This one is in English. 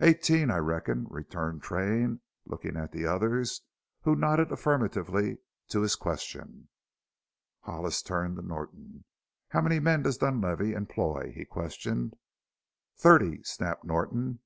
"Eighteen, I reckon," returned Train, looking at the others, who nodded affirmatively to his question. Hollis turned to Norton. "How many men does Dunlavey employ?" he questioned. "Thirty," snapped Norton.